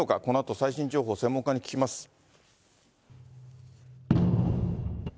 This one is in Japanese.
このあと最新情報を専門家に聞きます。